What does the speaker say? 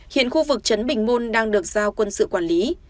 hiện khu vực chấn bình môn đang được giao quân sự quản lý